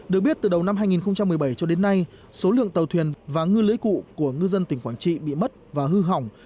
được biết từ đầu năm hai nghìn một mươi bảy cho đến nay số lượng tàu thuyền và ngư lưới cụ của ngư dân tỉnh quảng trị bị mất và hư hỏng